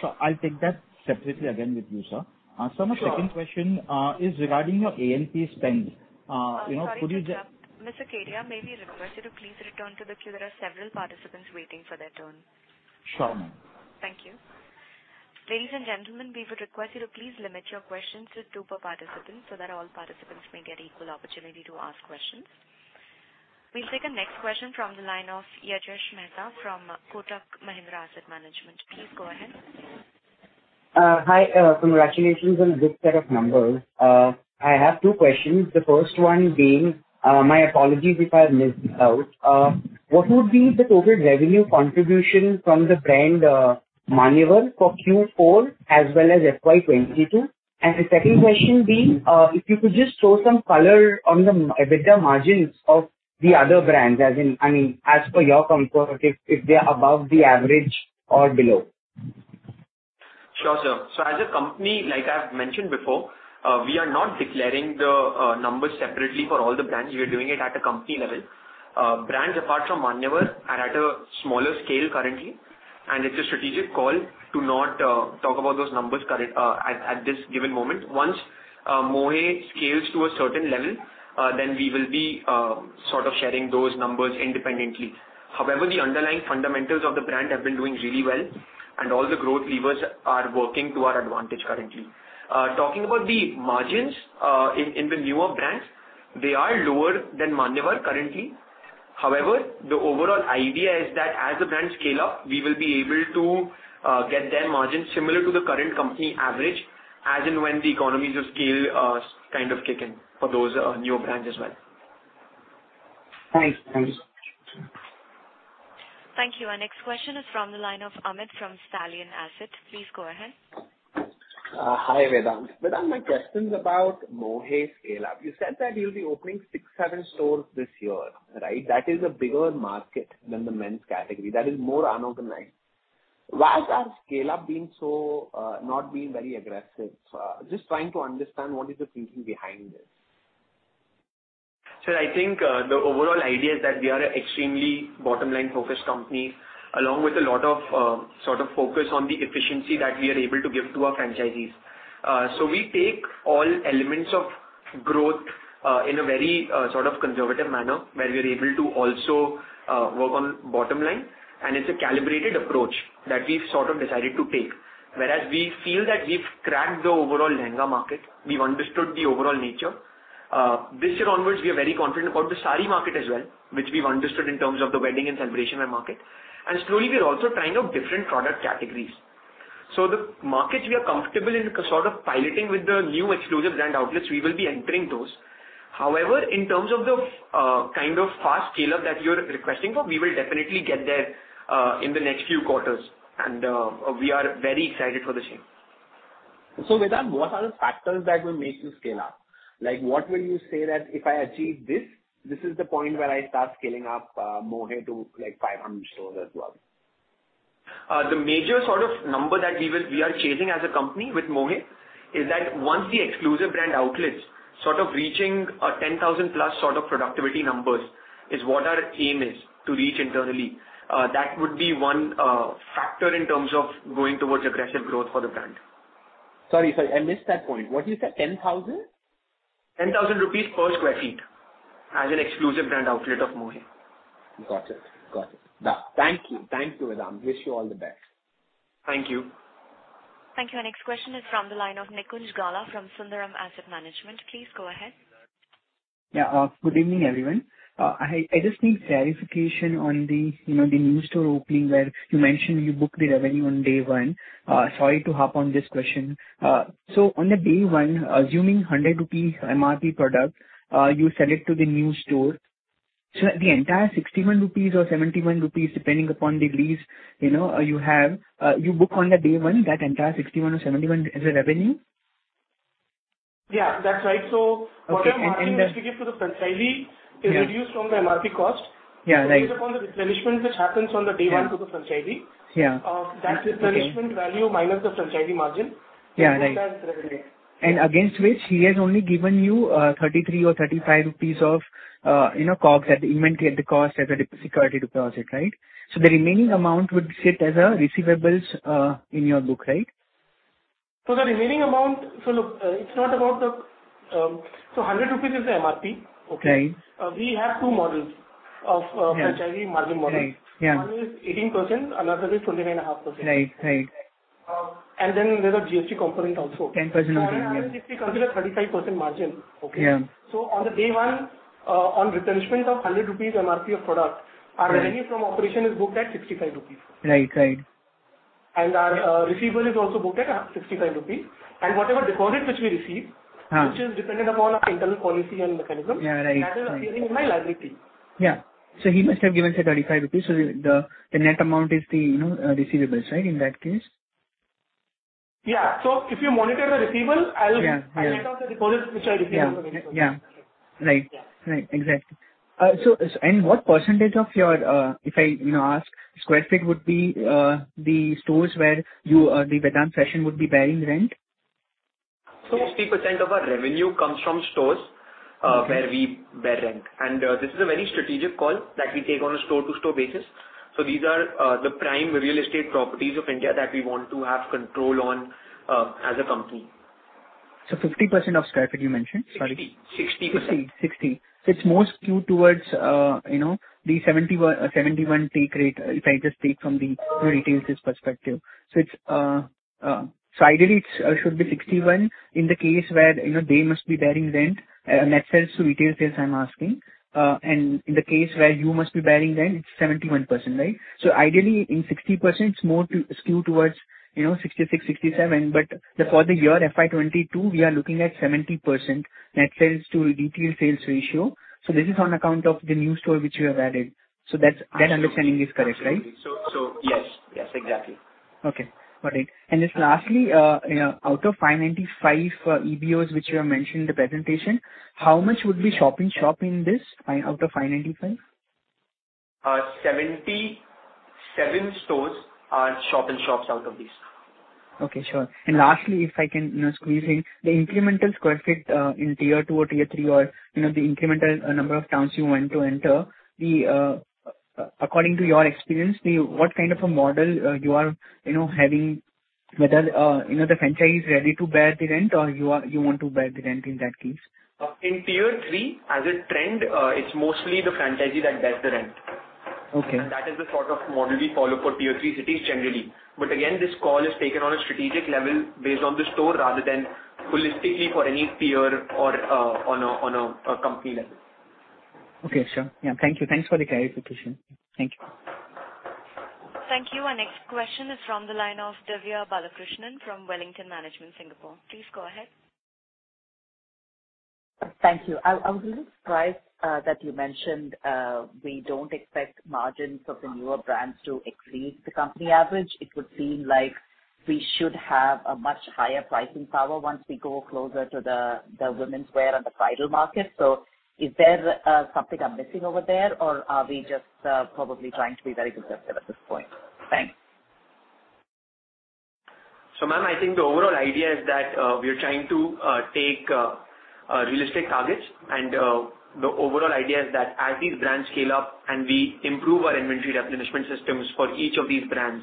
Sure. I'll take that separately again with you, sir. Sure. Sir, my second question is regarding your A&P spend. You know, could you? Sorry to interrupt. Mr. Kedia, may we request you to please return to the queue. There are several participants waiting for their turn. Sure, ma'am. Thank you. Ladies and gentlemen, we would request you to please limit your questions to two per participant, so that all participants may get equal opportunity to ask questions. We'll take a next question from the line of Yajash Mehta from Kotak Mahindra Asset Management. Please go ahead. Hi. Congratulations on this set of numbers. I have two questions. The first one being, my apologies if I missed this out. What would be the total revenue contribution from the brand, Manyavar for Q4 as well as FY 2022? The second question being, if you could just throw some color on the EBITDA margins of the other brands, as in, I mean, as per your comfort, if they are above the average or below. Sure, sir. As a company, like I've mentioned before, we are not declaring the numbers separately for all the brands. We are doing it at a company level. Brands apart from Manyavar are at a smaller scale currently, and it's a strategic call to not talk about those numbers at this given moment. Once Mohey scales to a certain level, then we will be sort of sharing those numbers independently. However, the underlying fundamentals of the brand have been doing really well, and all the growth levers are working to our advantage currently. Talking about the margins in the newer brands, they are lower than Manyavar currently. However, the overall idea is that as the brands scale up, we will be able to get their margins similar to the current company average, as and when the economies of scale kind of kick in for those newer brands as well. Thanks. Thank you so much. Thank you. Our next question is from the line of Amit from Stallion Asset. Please go ahead. Hi, Vedant. Vedant, my question's about Mohey scale-up. You said that you'll be opening six, seven stores this year, right? That is a bigger market than the men's category. That is more unorganized. Why has our scale-up been so not very aggressive? Just trying to understand what is the thinking behind this. Sir, I think the overall idea is that we are an extremely bottom line focused company, along with a lot of sort of focus on the efficiency that we are able to give to our franchisees. We take all elements of growth in a very sort of conservative manner, where we are able to also work on bottom line, and it's a calibrated approach that we've sort of decided to take. Whereas we feel that we've cracked the overall lehenga market, we've understood the overall nature. This year onwards, we are very confident about the sari market as well, which we've understood in terms of the wedding and celebration wear market. Slowly we are also trying out different product categories. The markets we are comfortable in sort of piloting with the new exclusive brand outlets, we will be entering those. However, in terms of the kind of fast scale-up that you're requesting for, we will definitely get there in the next few quarters, and we are very excited for the same. With that, what are the factors that will make you scale up? Like, what will you say that if I achieve this is the point where I start scaling up, Mohey to, like, 500 stores as well? The major sort of number that we are chasing as a company with Mohey is that once the exclusive brand outlets sort of reaching a 10,000+ sort of productivity numbers is what our aim is to reach internally. That would be one factor in terms of going towards aggressive growth for the brand. Sorry, I missed that point. What you said, 10,000? 10,000 rupees per sq ft as an exclusive brand outlet of Mohey. Got it. Done. Thank you, Vedant. Wish you all the best. Thank you. Thank you. Our next question is from the line of Nikunj Gala from Sundaram Asset Management. Please go ahead. Yeah. Good evening, everyone. I just need clarification on the new store opening where you mentioned you book the revenue on day one. Sorry to hop on this question. So on the day one, assuming 100 rupees MRP product, you sell it to the new store. So the entire 61 rupees or 71 rupees, depending upon the lease, you know, you book on the day one that entire 61 or 71 as a revenue? Yeah, that's right. Okay. whatever margin that we give to the franchisee. Yeah. is reduced from the MRP cost. Yeah, right. Based upon the replenishment which happens on the day one. Yeah. to the franchisee. Yeah. That replenishment value minus the franchisee margin. Yeah, right. Is booked as revenue. Against which he has only given you, 33 or 35 rupees of, you know, COGS at the inventory at the cost, as a security deposit, right? The remaining amount would sit as a receivables, in your book, right? Look, it's not about the. 100 rupees is the MRP. Okay? Right. We have two models of franchisee margin model. Right. Yeah. One is 18%, another is 29.5%. Right. Right. There's a GST component also. 10% or 8%, yeah. INR 100 becomes a 35% margin. Okay? Yeah. On day one, on replenishment of 100 rupees MRP of product. Right. Our revenue from operations is booked at 65 rupees. Right. Right. Our receivable is also booked at 65 rupees. Whatever deposit which we receive- Uh. which is dependent upon our internal policy and mechanism. Yeah. Right. As a clearing my liability. Yeah. He must have given, say, 35 rupees. The net amount is, you know, the receivables, right? In that case. If you monitor the receivable, I'll- Yeah. Yeah. I'll net out the deposit which I receive on the revenue. Yeah. Yeah. Right. Yeah. Right. Exactly. What percentage of your, if I, you know, ask square feet would be, the stores where you, the Vedant Fashions would be bearing rent? 60% of our revenue comes from stores. Okay. where we bear rent. This is a very strategic call that we take on a store-to-store basis. These are the prime real estate properties of India that we want to have control on, as a company. 50% of sq ft you mentioned? Sorry. 60%. 60. It's more skewed towards, you know, the 71 take rate, if I just take from the retail sales perspective. Ideally it should be 61 in the case where, you know, they must be bearing rent, net sales to retail sales, I'm asking. In the case where you must be bearing rent, it's 71%, right? Ideally in 60% it's more skewed towards, you know, 66, 67. For the year FY 2022, we are looking at 70% net sales to retail sales ratio. This is on account of the new store which you have added. Absolutely. That understanding is correct, right? Absolutely. Yes. Yes, exactly. Okay. Got it. Just lastly, you know, out of 595 EBOs which you have mentioned in the presentation, how much would be shop-in-shop in this out of 595? 77 stores are shop-in-shops out of these. Okay, sure. Lastly, if I can, you know, squeeze in the incremental square feet in Tier 2 or Tier 3 or, you know, the incremental number of towns you want to enter, according to your experience, what kind of a model you are, you know, having whether, you know, the franchisee is ready to bear the rent or you want to bear the rent in that case? In Tier 3 as a trend, it's mostly the franchisee that bears the rent. Okay. That is the sort of model we follow for Tier 3 cities generally. Again, this call is taken on a strategic level based on the store rather than holistically for any tier or on a company level. Okay, sure. Yeah. Thank you. Thanks for the clarification. Thank you. Thank you. Our next question is from the line of Divya Balakrishnan from Wellington Management Singapore. Please go ahead. Thank you. I was a little surprised that you mentioned we don't expect margins of the newer brands to exceed the company average. It would seem like we should have a much higher pricing power once we go closer to the womenswear and the bridal market. Is there something I'm missing over there, or are we just probably trying to be very conservative at this point? Thanks. Ma'am, I think the overall idea is that we are trying to take realistic targets and the overall idea is that as these brands scale up and we improve our inventory replenishment systems for each of these brands,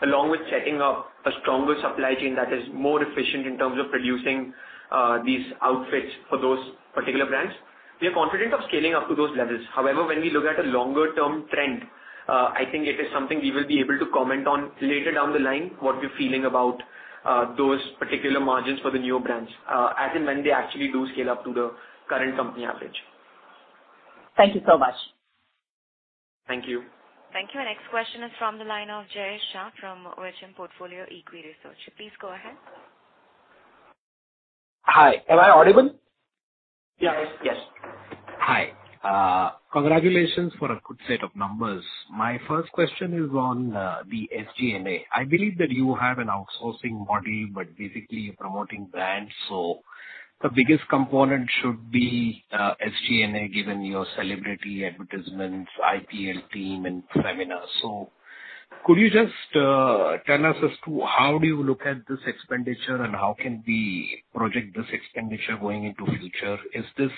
along with setting up a stronger supply chain that is more efficient in terms of producing these outfits for those particular brands, we are confident of scaling up to those levels. However, when we look at a longer term trend, I think it is something we will be able to comment on later down the line, what we're feeling about those particular margins for the newer brands, as in when they actually do scale up to the current company average. Thank you so much. Thank you. Thank you. Our next question is from the line of Jay Shah from OHM Portfolio Equity Research. Please go ahead. Hi. Am I audible? Yes. Yes. Hi. Congratulations for a good set of numbers. My first question is on the SG&A. I believe that you have an outsourcing model, but basically you're promoting brands, so the biggest component should be SG&A, given your celebrity advertisements, IPL team and seminars. Could you just tell us as to how do you look at this expenditure and how can we project this expenditure going into future? Is this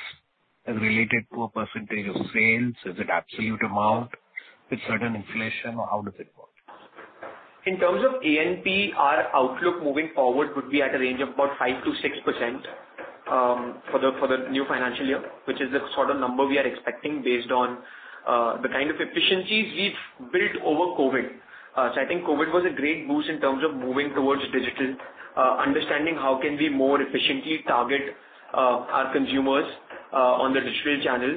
related to a percentage of sales? Is it absolute amount with certain inflation or how does it work? In terms of A&P, our outlook moving forward would be at a range of about 5%-6%, for the new financial year, which is the sort of number we are expecting based on the kind of efficiencies we've built over COVID. I think COVID was a great boost in terms of moving towards digital, understanding how can we more efficiently target our consumers on the digital channel.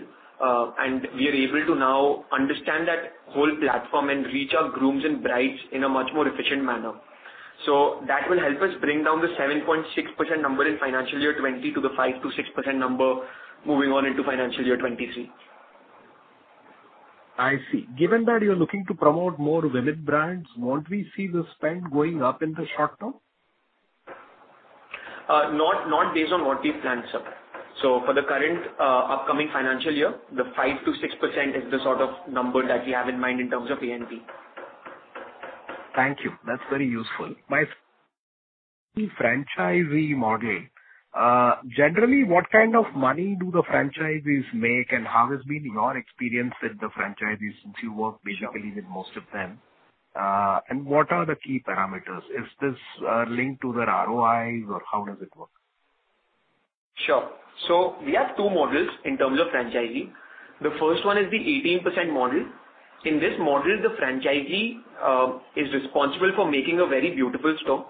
We are able to now understand that whole platform and reach our grooms and brides in a much more efficient manner. That will help us bring down the 7.6% number in financial year 2020 to the 5%-6% number moving on into financial year 2023. I see. Given that you're looking to promote more women's brands, won't we see the spend going up in the short term? Not based on what we've planned, sir. For the current upcoming financial year, the 5%-6% is the sort of number that we have in mind in terms of A&P. Thank you. That's very useful. My franchisee model. Generally, what kind of money do the franchisees make and how has been your experience with the franchisees since you work majorly with most of them? What are the key parameters? Is this linked to their ROIs or how does it work? Sure. We have two models in terms of franchising. The first one is the 18% model. In this model, the franchisee is responsible for making a very beautiful store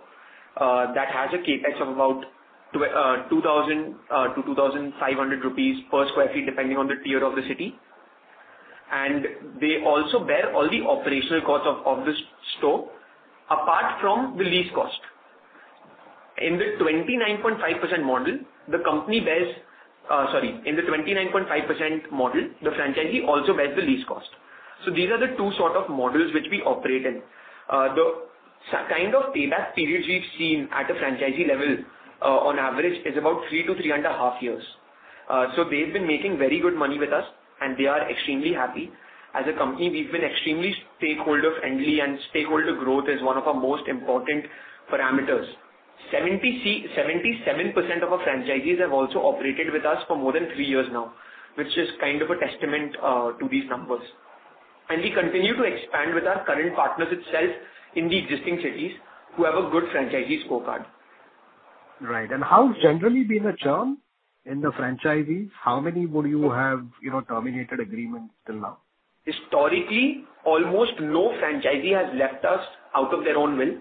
that has a CapEx of about 2,000-2,500 rupees per sq ft, depending on the tier of the city. They also bear all the operational costs of the store, apart from the lease cost. In the 29.5% model, the franchisee also bears the lease cost. These are the two sort of models which we operate in. The kind of payback period we've seen at a franchisee level on average is about 3 to 3.5 years. So they've been making very good money with us, and they are extremely happy. As a company, we've been extremely stakeholder-friendly, and stakeholder growth is one of our most important parameters. 77% of our franchisees have also operated with us for more than three years now, which is kind of a testament to these numbers. We continue to expand with our current partners itself in the existing cities who have a good franchisee scorecard. Right. How's generally been the trend in the franchisees? How many would you have, you know, terminated agreements till now? Historically, almost no franchisee has left us out of their own will.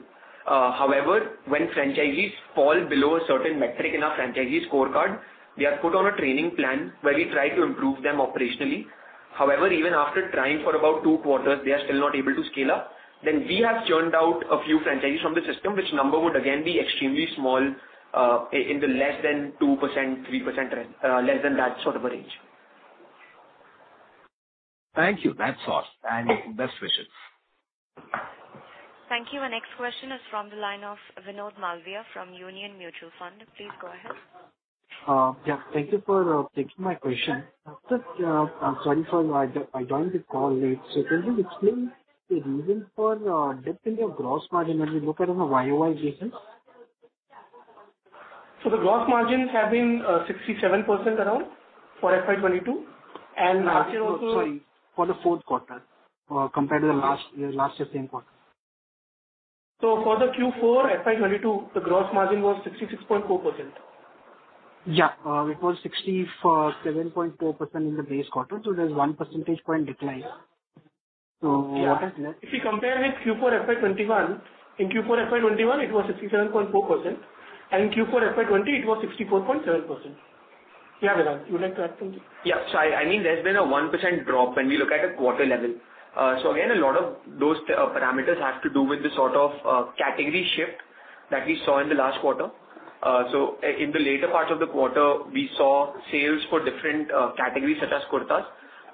However, when franchisees fall below a certain metric in our franchisee scorecard, they are put on a training plan where we try to improve them operationally. However, even after trying for about two quarters, they are still not able to scale up, then we have churned out a few franchisees from the system, which number would again be extremely small, in the less than 2%-3%, less than that sort of a range. Thank you. That's all. Best wishes. Thank you. Our next question is from the line of Vinod Malviya from Union Mutual Fund. Please go ahead. Yeah. Thank you for taking my question. Just, sorry, I joined the call late. Can you explain the reason for dip in your gross margin when we look at it on a YOY basis? The gross margins have been around 67% for FY 2022, and last year also. Sorry, for the fourth quarter compared to the last year, last year same quarter. For the Q4 FY 2022, the gross margin was 66.4%. Yeah. It was 64.74% in the base quarter, so there's one percentage point decline. What is next? If you compare with Q4 FY2021, in Q4 FY2021 it was 67.4%, and in Q4 FY2020 it was 64.7%. Yeah, Viraj, you would like to add something? Yeah. I mean, there's been a 1% drop when we look at a quarter level. Again, a lot of those parameters have to do with the sort of category shift that we saw in the last quarter. In the later part of the quarter, we saw sales for different categories such as kurtas,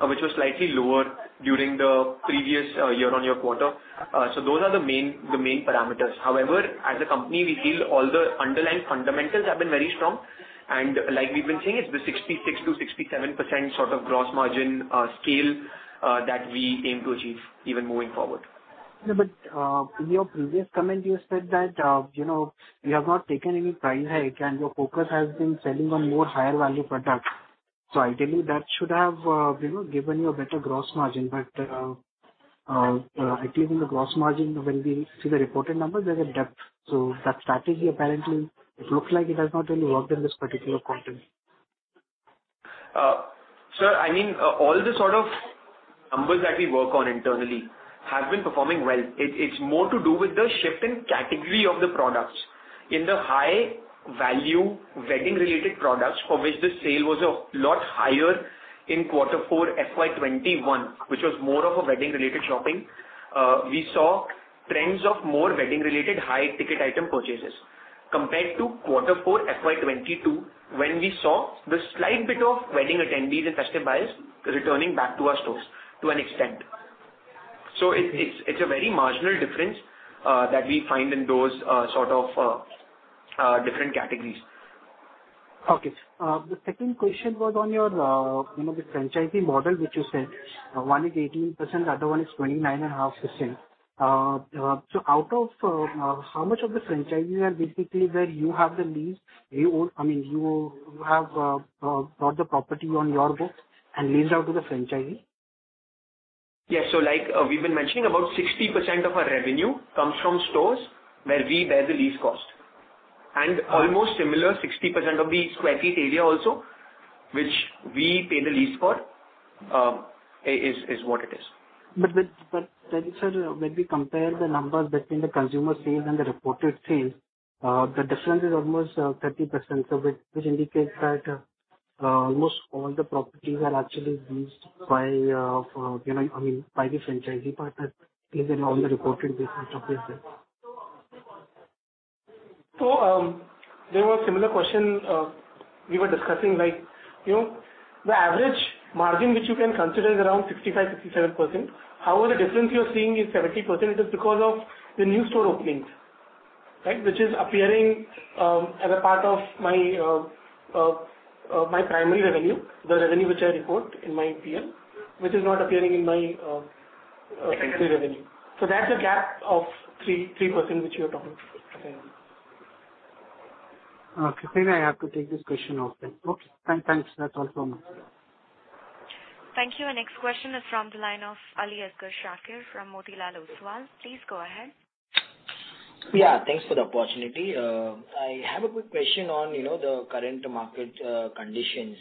which was slightly lower during the previous year-over-year quarter. Those are the main parameters. However, as a company, we feel all the underlying fundamentals have been very strong. Like we've been saying, it's the 66%-67% sort of gross margin scale that we aim to achieve even moving forward. Yeah, in your previous comment you said that, you know, you have not taken any price hike and your focus has been selling on more higher value products. Ideally, that should have, you know, given you a better gross margin. I think in the gross margin when we see the reported numbers, there's a dip. That strategy apparently, it looks like it has not really worked in this particular quarter. Sir, I mean, all the sort of numbers that we work on internally have been performing well. It's more to do with the shift in category of the products. In the high value wedding related products for which the sale was a lot higher in quarter four FY 2021, which was more of a wedding related shopping, we saw trends of more wedding related high ticket item purchases compared to quarter four FY 2022 when we saw the slight bit of wedding attendees and festive buyers returning back to our stores to an extent. It's a very marginal difference that we find in those sort of different categories. Okay. The second question was on your, you know, the franchisee model which you said one is 18%, the other one is 29.5%. So out of how much of the franchises are basically, I mean, you have bought the property on your books and leased out to the franchisee? Yeah. Like we've been mentioning, about 60% of our revenue comes from stores where we bear the lease cost. Almost similar 60% of the sq ft area also, which we pay the lease for, is what it is. Sir, when we compare the numbers between the consumer sales and the reported sales, the difference is almost 30% of it, which indicates that almost all the properties are actually leased by, you know, I mean by the franchisee partners, at least on the reported basis of business. There was similar question, we were discussing like, you know, the average margin which you can consider is around 65%-67%. However, the difference you're seeing is 70% is because of the new store openings, right? Which is appearing as a part of my primary revenue, the revenue which I report in my P&L, which is not appearing in my secondary revenue. That's a gap of 3% which you're talking about. Okay. I have to take this question off then. Okay. Thanks. That's all from me. Thank you. Our next question is from the line of Aliasgar Shakir from Motilal Oswal. Please go ahead. Yeah, thanks for the opportunity. I have a quick question on, you know, the current market conditions.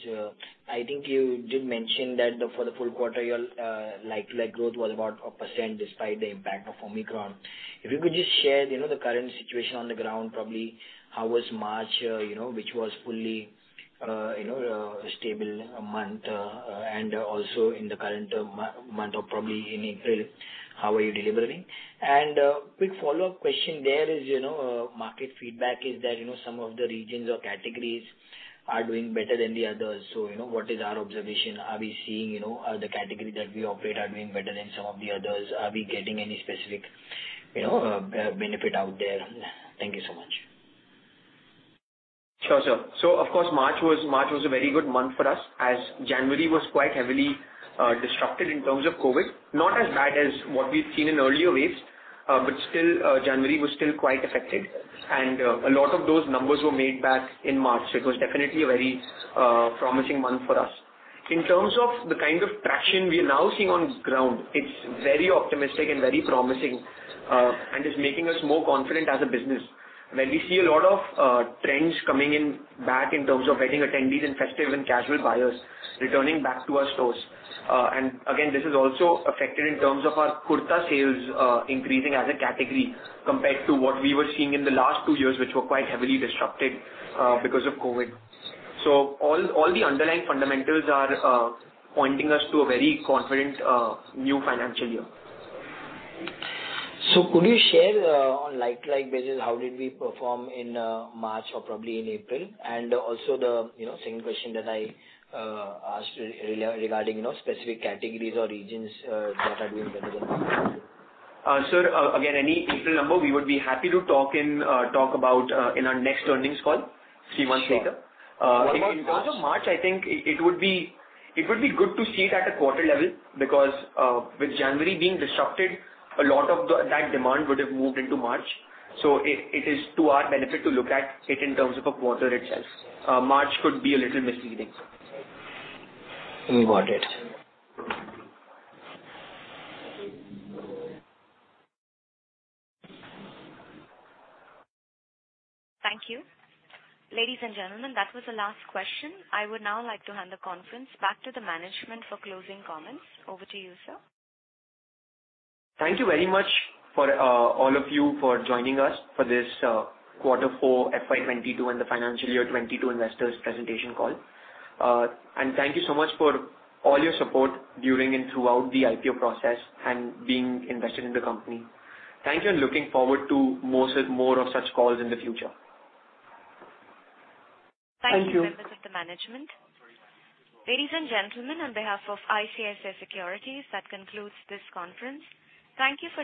I think you did mention that for the full quarter, your like growth was about 4% despite the impact of Omicron. If you could just share, you know, the current situation on the ground, probably how was March, you know, which was fully stable month, and also in the current month of probably in April, how are you delivering? Quick follow-up question there is, you know, market feedback is that, you know, some of the regions or categories are doing better than the others. You know, what is our observation? Are we seeing, you know, are the category that we operate are doing better than some of the others? Are we getting any specific, you know, benefit out there? Thank you so much. Sure, sir. Of course, March was a very good month for us, as January was quite heavily disrupted in terms of COVID. Not as bad as what we've seen in earlier waves, but still, January was still quite affected. A lot of those numbers were made back in March. It was definitely a very promising month for us. In terms of the kind of traction we are now seeing on ground, it's very optimistic and very promising, and is making us more confident as a business. When we see a lot of trends coming in back in terms of wedding attendees and festive and casual buyers returning back to our stores. This is also affected in terms of our kurta sales increasing as a category compared to what we were seeing in the last two years, which were quite heavily disrupted because of COVID. All the underlying fundamentals are pointing us to a very confident new financial year. Could you share on like basis how we performed in March or probably in April? Also the you know second question that I asked regarding you know specific categories or regions that are doing better than others. Sir, again, any April number we would be happy to talk about in our next earnings call three months later. Sure. In terms of March, I think it would be good to see it at a quarter level because with January being disrupted, a lot of that demand would have moved into March. It is to our benefit to look at it in terms of a quarter itself. March could be a little misleading, sir. Got it. Thank you. Ladies and gentlemen, that was the last question. I would now like to hand the conference back to the management for closing comments. Over to you, sir. Thank you very much for all of you for joining us for this quarter four FY 2022 and the financial year 2022 investors presentation call. Thank you so much for all your support during and throughout the IPO process and being invested in the company. Thank you, looking forward to more of such calls in the future. Thank you, members of the management. Ladies and gentlemen, on behalf of ICICI Securities, that concludes this conference. Thank you for